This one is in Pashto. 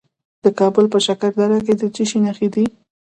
د کابل په شکردره کې د څه شي نښې دي؟